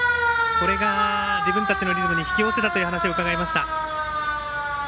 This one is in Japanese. これが自分たちのリズムを引き寄せたというお話を伺いました。